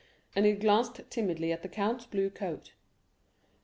And he glanced timidly at the count's blue coat.